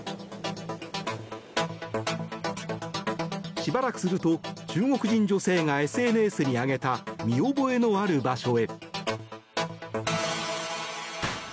しばらくすると中国人女性がＳＮＳに上げた見覚えのある場所へ。